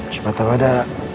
coba tau ada